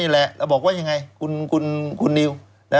เราบอกว่ายังไงคุณนิว